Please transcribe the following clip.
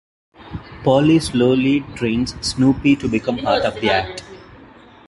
Polly slowly trains Snoopy to become part of the act.